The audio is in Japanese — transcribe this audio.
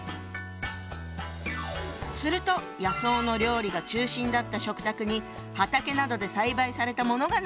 すると野草の料理が中心だった食卓に畑などで栽培されたものが並ぶように。